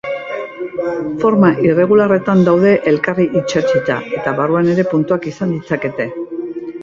Forma irregularretan daude elkarri itsatsita, eta barruan ere puntak izan ditzakete.